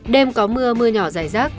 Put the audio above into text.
đêm có mưa mưa nhỏ dài rác